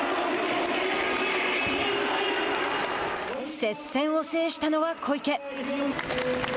接戦を制したのは小池。